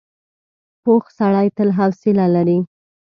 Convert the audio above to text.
پوخ سړی تل حوصله لري